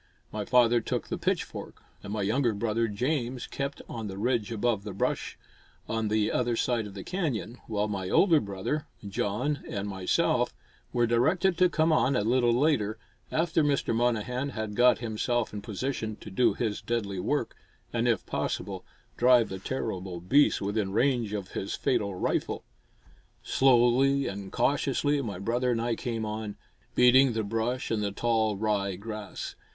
My father took the pitchfork and my younger brother James kept on the ridge above the brush on the other side of the canyon, while my older brother John and myself were directed to come on a little later, after Mr. Monnehan had got himself in position to do his deadly work, and, if possible, drive the terrible beast within range of his fatal rifle. Slowly and cautiously my brother and I came on, beating the brush and the tall rye grass.